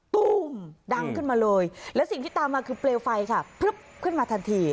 ตู้มดังขึ้นมาเลยและสิ่งที่ตามมาคือเปลวไฟค่ะพลึบขึ้นมาทันที